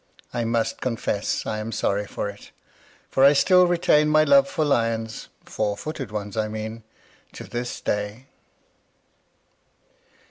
I must confess I am sorry for it; for I still retain my love for lions (four footed ones, I mean), to this day.